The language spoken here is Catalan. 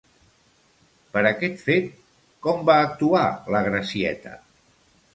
Per aquest fet, com va actuar la Gracieta?